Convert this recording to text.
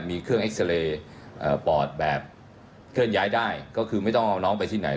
มีเครื่องเอ็กซาเรย์ปอดแบบเคลื่อนย้ายได้ก็คือไม่ต้องเอาน้องไปที่ไหน